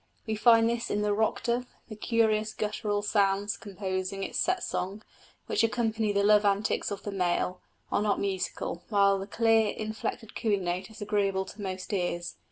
We find this in the rock dove: the curious guttural sounds composing its set song, which accompany the love antics of the male, are not musical, while the clear inflected cooing note is agreeable to most ears.